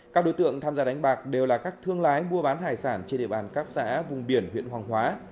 các đối tượng tham gia đánh bạc đều là các thương lái mua bán hải sản trên địa bàn các xã vùng biển huyện hoàng hóa